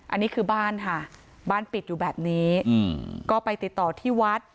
อันนี้คือบ้านค่ะบ้านปิดอยู่แบบนี้ก็ไปติดต่อที่วัด